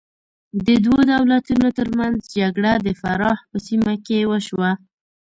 د دوو دولتونو تر منځ جګړه د فراه په سیمه کې وشوه.